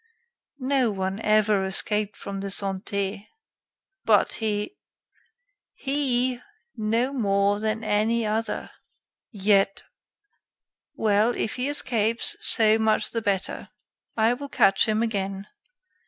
"No one ever escaped from the Santé." "But, he " "He, no more than any other." "Yet " "Well, if he escapes, so much the better. I will catch him again.